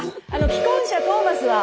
既婚者トーマス！